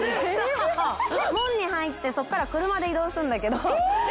門に入ってそこから車で移動するんだけど。